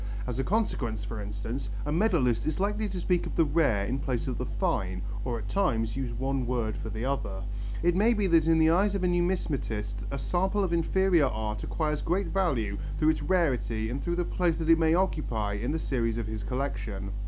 As a consequence, for instance, a medallist is likely to speak of the rare in place of the fine, or at times use one word for the other. It may be that in the eyes of a numismatist a sample of inferior art acquires great value through its rarity and through the place that it may occupy in the series of his collection.